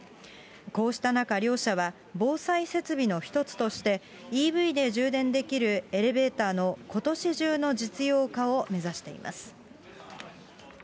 こうした中、両社は防災設備の一つとして、ＥＶで充電できるエレベーターのことし中の実用化を目指しています。